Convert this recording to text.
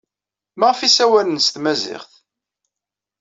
Maɣef ay ssawalen s tmaziɣt?